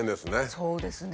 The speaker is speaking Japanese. そうですね。